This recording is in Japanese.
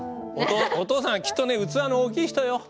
お父さんは、きっとね器の大きい人よ。